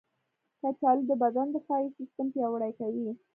کچالو د بدن دفاعي سیستم پیاوړی کوي.